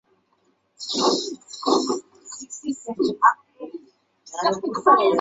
十一年从经师罗卜桑札木养受沙弥戒。